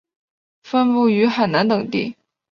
分布于海南等地。